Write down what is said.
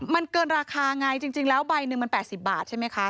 มันเกินราคาไงจริงแล้วใบหนึ่งมัน๘๐บาทใช่ไหมคะ